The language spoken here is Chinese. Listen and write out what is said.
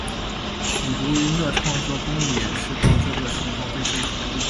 许茹芸的创作功力也是到这个时候备受肯定。